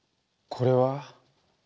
これは？